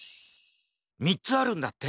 ３つあるんだって！